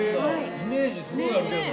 イメージすごいあるけどね